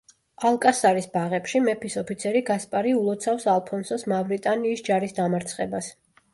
ალკასარის ბაღებში, მეფის ოფიცერი გასპარი ულოცავს ალფონსოს მავრიტანიის ჯარის დამარცხებას.